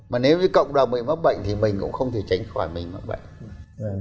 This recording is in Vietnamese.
mà nếu như cộng đồng bị mắc bệnh thì mình cũng không thể tránh khỏi mình mắc bệnh